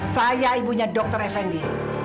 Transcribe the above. saya ibunya dr effendi